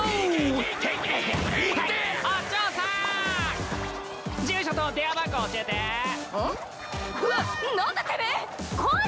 えっ！？